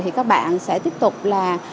thì các bạn sẽ tiếp tục là